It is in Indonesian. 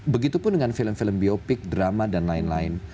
begitupun dengan film film biopik drama dan lain lain